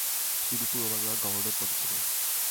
তিনি পূর্ব বাংলার গভর্নর পদে ছিলেন।